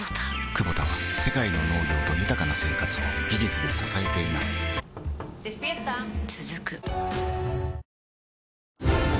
クボタは世界の農業と豊かな生活を技術で支えています起きて。